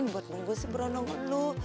buat lo gue sih berondong dulu